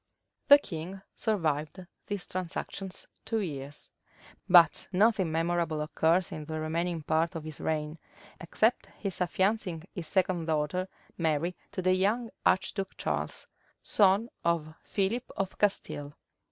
The king survived these transactions two years; but nothing memorable occurs in the remaining part of his reign, except his affiancing his second daughter, Mary, to the young archduke Charles, son of Philip of Castile.